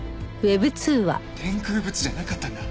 天空仏じゃなかったんだ。